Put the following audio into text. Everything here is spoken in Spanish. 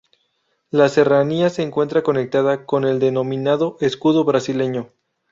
La serranía se encuentra conectada con el denominado escudo brasileño.